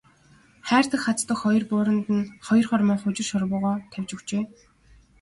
Хайрдаг хаздаг хоёр бууранд нь хоёр хормой хужир шорвогоо тавьж өгчээ.